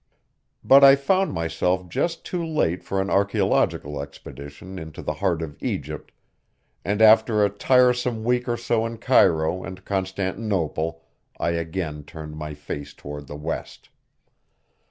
But I found myself just too late for an archeological expedition into the heart of Egypt, and after a tiresome week or so in Cairo and Constantinople I again turned my face toward the west.